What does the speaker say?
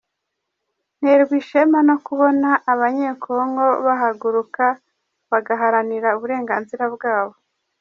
Nterwa ishema no kubona abanye-Congo bahaguruka bagaharanira uburenganzira bwabo.